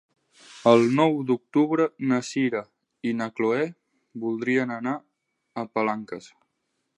El nou d'octubre na Sira i na Chloé voldrien anar a Palanques.